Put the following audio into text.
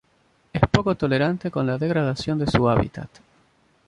Es poco tolerante con la degradación de su hábitat.